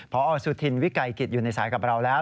พอสุธินวิกัยกิจอยู่ในสายกับเราแล้ว